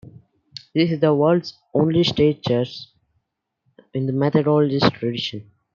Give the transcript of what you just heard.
It is the world's only state church in the Methodist tradition.